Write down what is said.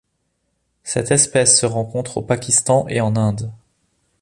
Cette espèce se rencontre au Pakistan et en Inde.